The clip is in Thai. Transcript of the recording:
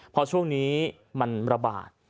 พอช่วงนี้มันระบาด